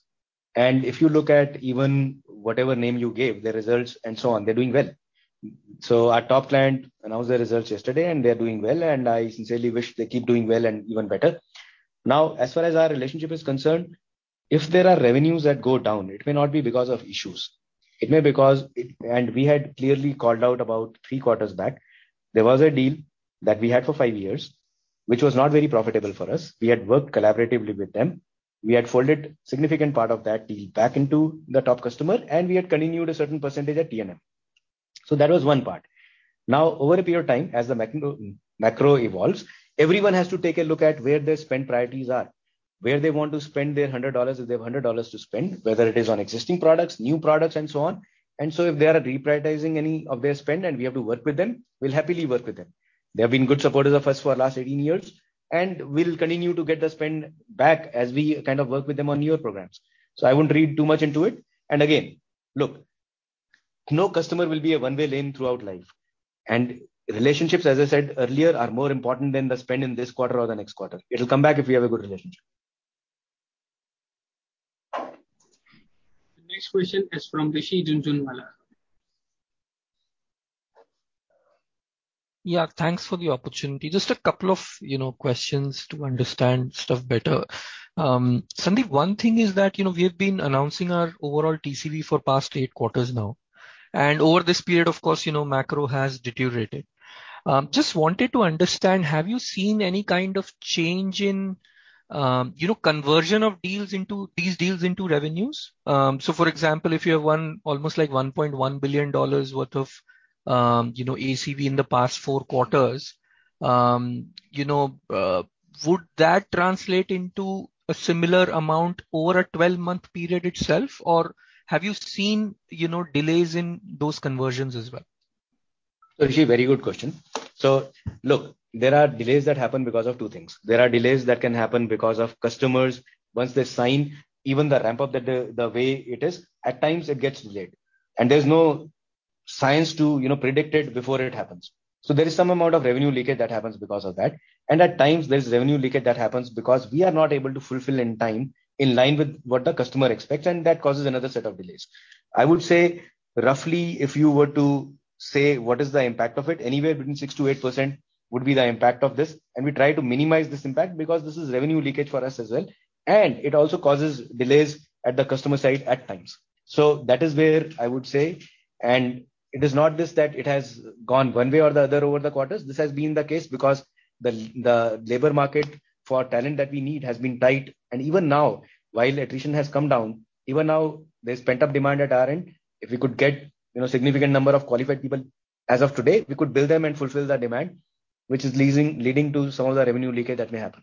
If you look at even whatever name you gave, the results and so on, they're doing well. Our top client announced their results yesterday, and they are doing well, and I sincerely wish they keep doing well and even better. Now, as far as our relationship is concerned, if there are revenues that go down, it may not be because of issues. It may be because it. We had clearly called out about three quarters back. There was a deal that we had for five years which was not very profitable for us. We had worked collaboratively with them. We had folded significant part of that deal back into the top customer and we had continued a certain percentage at T&M. That was one part. Now, over a period of time, as the macro evolves, everyone has to take a look at where their spend priorities are, where they want to spend their $100 if they have $100 to spend, whether it is on existing products, new products and so on. If they are reprioritizing any of their spend and we have to work with them, we'll happily work with them. They have been good supporters of us for the last 18 years, and we'll continue to get the spend back as we kind of work with them on newer programs. I won't read too much into it. Again, look, no customer will be a one-way street throughout life. Relationships, as I said earlier, are more important than the spend in this quarter or the next quarter. It'll come back if we have a good relationship. The next question is from Rishi Jhunjhunwala. Yeah, thanks for the opportunity. Just a couple of, you know, questions to understand stuff better. Sandeep, one thing is that, you know, we have been announcing our overall TCV for past eight quarters now, and over this period, of course, you know, macro has deteriorated. Just wanted to understand, have you seen any kind of change in, you know, conversion of these deals into revenues? So for example, if you have almost like $1.1 billion worth of, you know, ACV in the past four quarters, you know, would that translate into a similar amount over a twelve-month period itself? Or have you seen, you know, delays in those conversions as well? Rishi, very good question. Look, there are delays that happen because of two things. There are delays that can happen because of customers, once they sign, even the ramp-up, the way it is, at times it gets delayed. There's no science to, you know, predict it before it happens. There is some amount of revenue leakage that happens because of that. At times there's revenue leakage that happens because we are not able to fulfill in time in line with what the customer expects, and that causes another set of delays. I would say roughly, if you were to say what is the impact of it, anywhere between 6%-8% would be the impact of this. We try to minimize this impact because this is revenue leakage for us as well. It also causes delays at the customer side at times. That is where I would say, and it is not just that it has gone one way or the other over the quarters. This has been the case because the labor market for talent that we need has been tight. Even now, while attrition has come down, even now, there's pent-up demand at our end. If we could get, you know, significant number of qualified people as of today, we could build them and fulfill the demand, which is leading to some of the revenue leakage that may happen.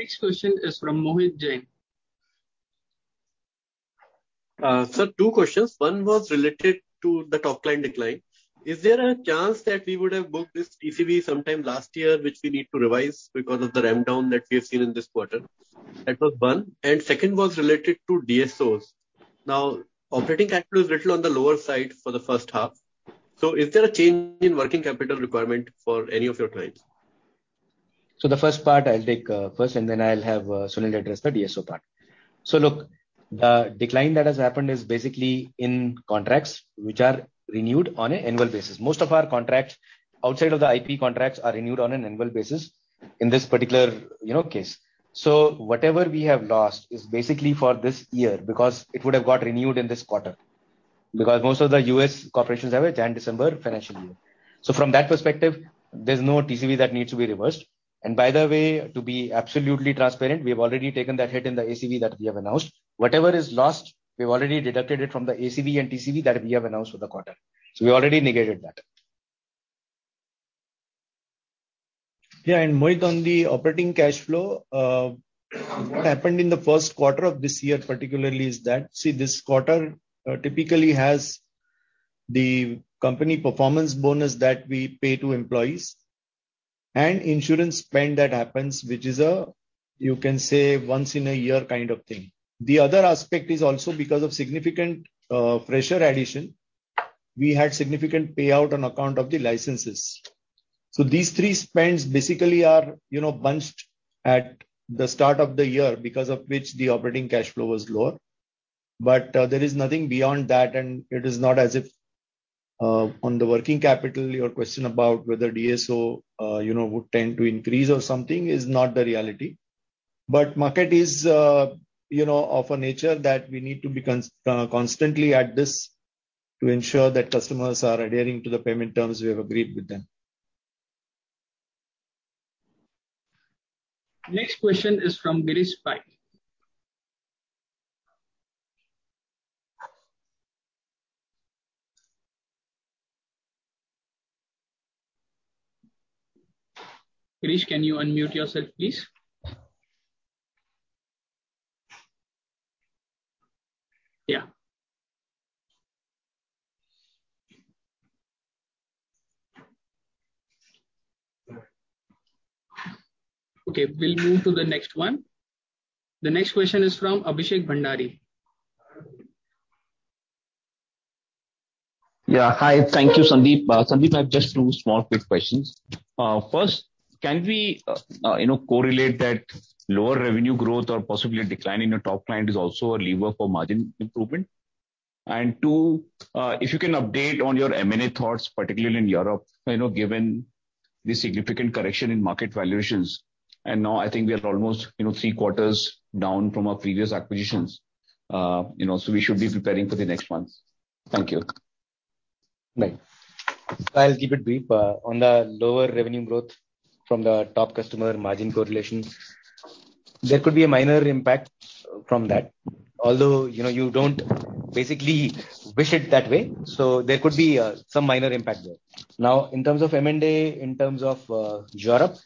Next question is from Mohit Jain. Sir, two questions. One was related to the top line decline. Is there a chance that we would have booked this TCV sometime last year, which we need to revise because of the ramp down that we have seen in this quarter? That was one. Second was related to DSOs. Now, operating capital is little on the lower side for the first half. Is there a change in working capital requirement for any of your clients? The first part I'll take first, and then I'll have Sunil address the DSO part. Look, the decline that has happened is basically in contracts which are renewed on an annual basis. Most of our contracts outside of the IP contracts are renewed on an annual basis in this particular, you know, case. Whatever we have lost is basically for this year because it would have got renewed in this quarter because most of the U.S. corporations have a Jan-December financial year. From that perspective, there's no TCV that needs to be reversed. By the way, to be absolutely transparent, we have already taken that hit in the ACV that we have announced. Whatever is lost, we've already deducted it from the ACV and TCV that we have announced for the quarter. We already negated that. Yeah. Mohit, on the operating cash flow, what happened in the first quarter of this year particularly is that, see, this quarter typically has the company performance bonus that we pay to employees and insurance spend that happens, which is a, you can say, once in a year kind of thing. The other aspect is also because of significant fresher addition, we had significant payout on account of the licenses. These three spends basically are, you know, bunched at the start of the year because of which the operating cash flow was lower. There is nothing beyond that, and it is not as if, on the working capital, your question about whether DSO would tend to increase or something is not the reality. Market is, you know, of a nature that we need to be constantly at this to ensure that customers are adhering to the payment terms we have agreed with them. Next question is from Girish Pai. Girish, can you unmute yourself please? Yeah. Okay, we'll move to the next one. The next question is from Abhishek Bhandari. Yeah. Hi. Thank you, Sandeep. Sandeep, I have just two small quick questions. First, can we, you know, correlate that lower revenue growth or possibly a decline in your top line is also a lever for margin improvement? Two, if you can update on your M&A thoughts, particularly in Europe, you know, given the significant correction in market valuations. Now I think we are almost, you know, three quarters down from our previous acquisitions. You know, we should be preparing for the next months. Thank you. Right. I'll keep it brief. On the lower revenue growth from the top customer margin correlations. There could be a minor impact from that. Although, you know, you don't basically wish it that way. There could be some minor impact there. Now, in terms of M&A, in terms of Europe.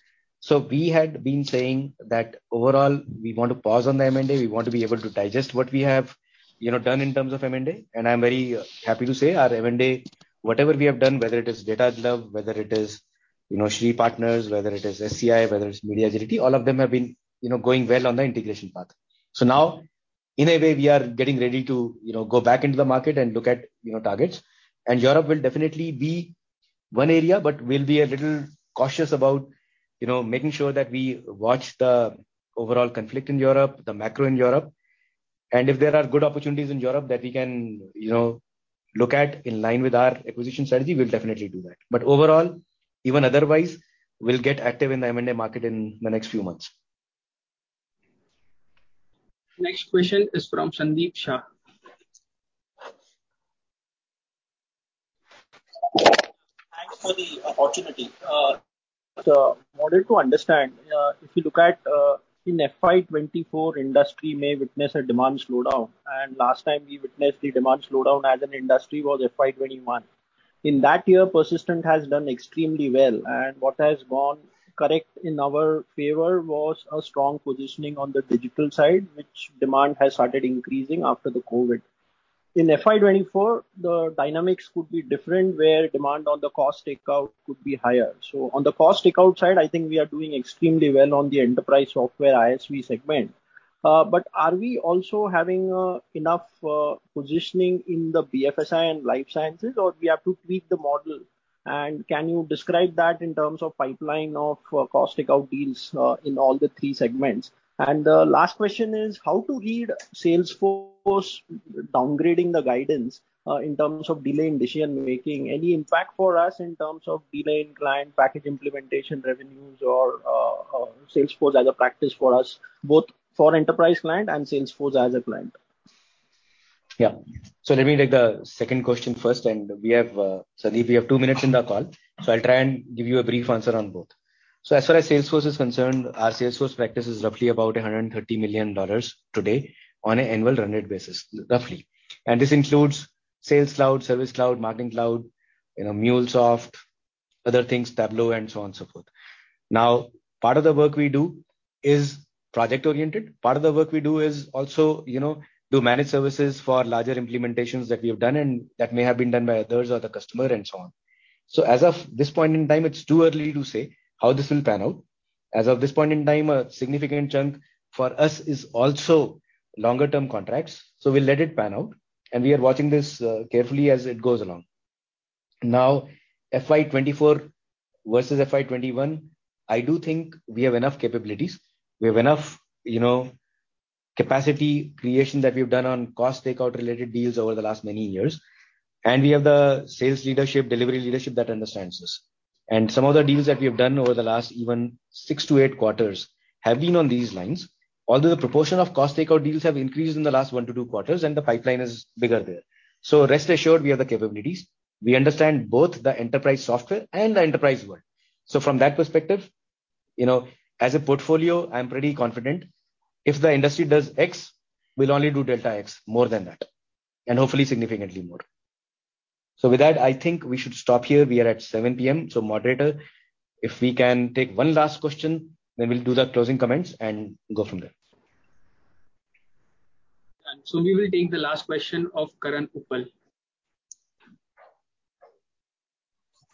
We had been saying that overall, we want to pause on the M&A. We want to be able to digest what we have, you know, done in terms of M&A. I'm very happy to say our M&A, whatever we have done, whether it is Data Glove, whether it is, you know, Shri Partners, whether it is SEI, whether it's MediaAgility, all of them have been, you know, going well on the integration path. Now, in a way, we are getting ready to, you know, go back into the market and look at, you know, targets. Europe will definitely be one area, but we'll be a little cautious about, you know, making sure that we watch the overall conflict in Europe, the macro in Europe. If there are good opportunities in Europe that we can, you know, look at in line with our acquisition strategy, we'll definitely do that. Overall, even otherwise, we'll get active in the M&A market in the next few months. Next question is from Sandeep Shah. Thanks for the opportunity. Wanted to understand, if you look at, in FY2024 industry may witness a demand slowdown. Last time we witnessed the demand slowdown as an industry was FY2021. In that year, Persistent has done extremely well, and what has gone correct in our favor was a strong positioning on the digital side, which demand has started increasing after the COVID. In FY2024, the dynamics could be different, where demand on the cost takeout could be higher. On the cost takeout side, I think we are doing extremely well on the enterprise software ISV segment. But are we also having enough positioning in the BFSI and life sciences, or we have to tweak the model? Can you describe that in terms of pipeline of cost takeout deals in all the three segments? The last question is how to read Salesforce downgrading the guidance, in terms of delay in decision-making. Any impact for us in terms of delay in client package implementation revenues or, Salesforce as a practice for us, both for enterprise client and Salesforce as a client? Yeah. Let me take the second question first. We have, Sandeep, we have two minutes in the call. I'll try and give you a brief answer on both. As far as Salesforce is concerned, our Salesforce practice is roughly about $130 million today on an annual run rate basis, roughly. This includes Sales Cloud, Service Cloud, Marketing Cloud, you know, MuleSoft, other things, Tableau and so on, so forth. Now, part of the work we do is project-oriented. Part of the work we do is also, you know, do managed services for larger implementations that we have done and that may have been done by others or the customer and so on. As of this point in time, it's too early to say how this will pan out. As of this point in time, a significant chunk for us is also longer-term contracts. We'll let it pan out. We are watching this carefully as it goes along. Now, FY2024 versus FY2021, I do think we have enough capabilities. We have enough, you know, capacity creation that we've done on cost takeout related deals over the last many years. We have the sales leadership, delivery leadership that understands this. Some of the deals that we have done over the last even six to eight quarters have been on these lines. Although the proportion of cost takeout deals have increased in the last one to two quarters and the pipeline is bigger there. Rest assured, we have the capabilities. We understand both the enterprise software and the enterprise world. From that perspective, you know, as a portfolio, I'm pretty confident. If the industry does X, we'll only do delta X more than that. Hopefully significantly more. With that, I think we should stop here. We are at 7 P.M. Moderator, if we can take one last question, then we'll do the closing comments and go from there. We will take the last question of Karan Uppal.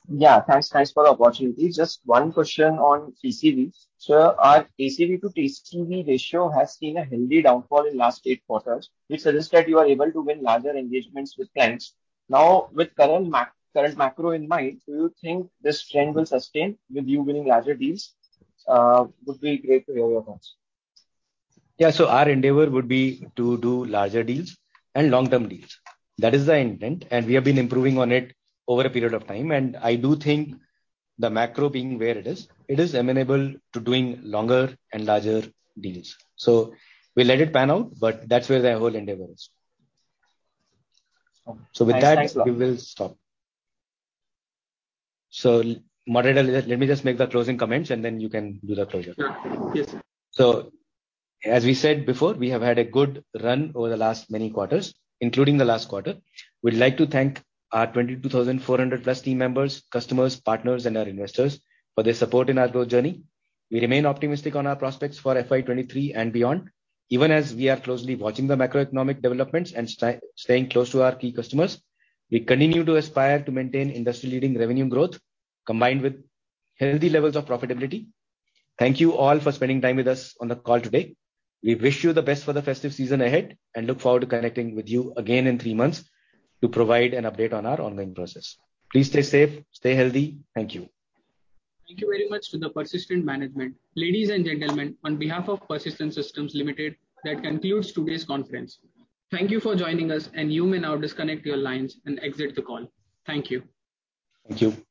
Yeah. Thanks. Thanks for the opportunity. Just one question on TCV. Sir, our TCV to TCV ratio has seen a healthy downfall in last eight quarters, which suggests that you are able to win larger engagements with clients. Now, with current macro in mind, do you think this trend will sustain with you winning larger deals? Would be great to hear your thoughts. Yeah. Our endeavor would be to do larger deals and long-term deals. That is the intent, and we have been improving on it over a period of time. I do think the macro being where it is, it is amenable to doing longer and larger deals. We'll let it pan out, but that's where the whole endeavor is. Thanks a lot. With that, we will stop. Moderator, let me just make the closing comments, and then you can do the closure. Sure. Yes. As we said before, we have had a good run over the last many quarters, including the last quarter. We'd like to thank our 22,400+ team members, customers, partners, and our investors for their support in our growth journey. We remain optimistic on our prospects for FY2023 and beyond, even as we are closely watching the macroeconomic developments and staying close to our key customers. We continue to aspire to maintain industry-leading revenue growth combined with healthy levels of profitability. Thank you all for spending time with us on the call today. We wish you the best for the festive season ahead and look forward to connecting with you again in three months to provide an update on our ongoing process. Please stay safe, stay healthy. Thank you. Thank you very much to the Persistent management. Ladies and gentlemen, on behalf of Persistent Systems Limited, that concludes today's conference. Thank you for joining us, and you may now disconnect your lines and exit the call. Thank you. Thank you.